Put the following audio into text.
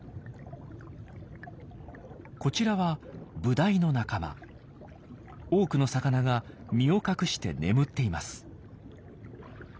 こちらは多くの魚が身を隠して眠っています。